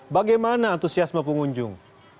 bagaimana antusiasme pengunjung